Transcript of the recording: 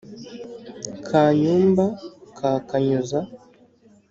kanyumba ka kanyuza